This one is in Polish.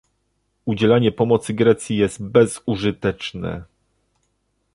Udzielanie pomocy Grecji jest bezużyteczne